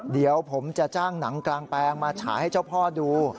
เดี๋ยวผมจะจ้างหนังกลางแปลงมาฉายให้เจ้าพ่อดู